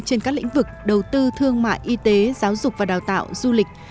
trên các lĩnh vực đầu tư thương mại y tế giáo dục và đào tạo du lịch